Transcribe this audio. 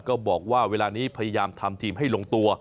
ก็บอกว่าเวลานี้พยายามทำทีมให้ลงตัว